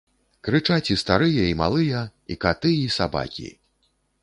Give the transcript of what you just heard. Крычаць і старыя, і малыя, і каты, і сабакі!